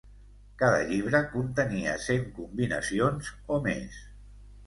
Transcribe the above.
Cada llibre contenia cent combinacions o més.